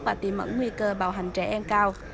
và tìm ẩn nguy cơ bạo hành trẻ em cao